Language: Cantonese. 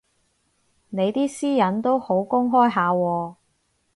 你啲私隱都好公開下喎